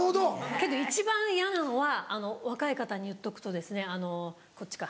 けど一番嫌なのは若い方に言っとくとこっちか。